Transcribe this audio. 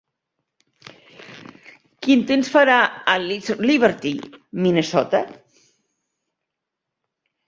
Quin temps farà a East Liberty, Minnesota?